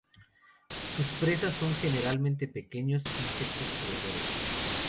Sus presas son generalmente pequeños insectos voladores.